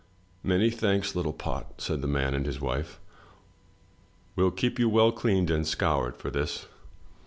"Many thanks, little pot," said the man and his wife. "We'll keep you well cleaned and scoured for this!"